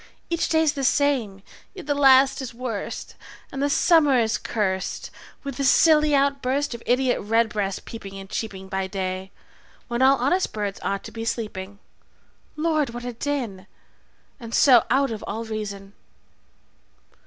Each day's the same, yet the last is worst, And the summer is cursed with the silly outburst Of idiot red breasts peeping and cheeping By day, when all honest birds ought to be sleeping. Lord, what a din! And so out of all reason.